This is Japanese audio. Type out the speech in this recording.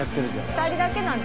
２人だけなの。